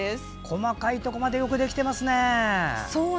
細かいところまでよくできていますね。